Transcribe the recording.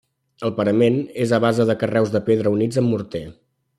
El parament és a base de carreus de pedra units amb morter.